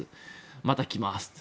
また来ますと。